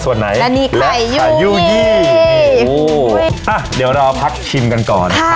ส่วนไหนแล้วนี่ไข่ยู่ยี่โอ้โหอ่ะเดี๋ยวเราพักชิมกันก่อนค่ะ